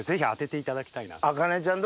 あかねちゃん